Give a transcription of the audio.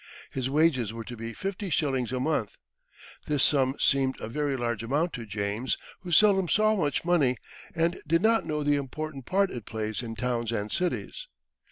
His wages were to be fifty shillings a month. This sum seemed a very large amount to James, who seldom saw much money, and did not know the important part it plays in towns and cities.